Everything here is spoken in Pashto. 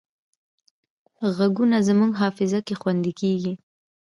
غږونه زموږ حافظه کې خوندي کېږي